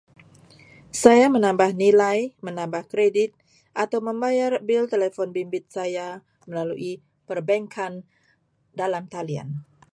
Saya menambah nilai, menambah kredit aau membayar bil telefon bimbit saya melalui perbankan dalam talian.